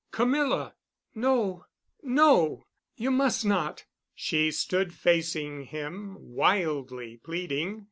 "Camilla!" "No, no. You must not." She stood facing him, wildly pleading.